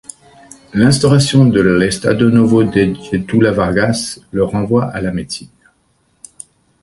L'instauration de l'Estado Novo de Getúlio Vargas le renvoie à la médecine.